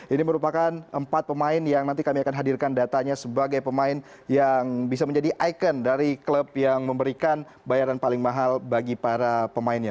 ini merupakan empat pemain yang nanti kami akan hadirkan datanya sebagai pemain yang bisa menjadi ikon dari klub yang memberikan bayaran paling mahal bagi para pemainnya